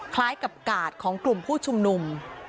คล้ายกับกาดของกลุ่มผู้ชุมนุม